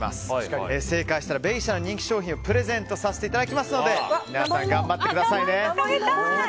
正解したらベイシアの人気商品をプレゼントさせていただきますので皆さん、頑張ってくださいね。